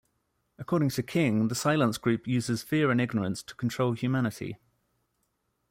According to King, the Silence Group uses fear and ignorance to control humanity.